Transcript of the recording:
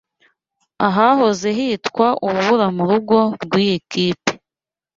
Ahahoze hitwa urubura murugo rwiyi kipe